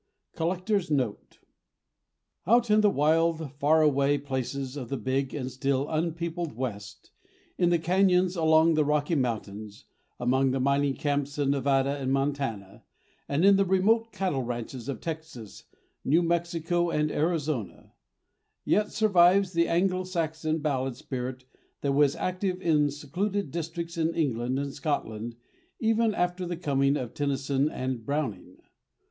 COLLECTOR'S NOTE Out in the wild, far away places of the big and still unpeopled west, in the cañons along the Rocky Mountains, among the mining camps of Nevada and Montana, and on the remote cattle ranches of Texas, New Mexico, and Arizona, yet survives the Anglo Saxon ballad spirit that was active in secluded districts in England and Scotland even after the coming of Tennyson and Browning.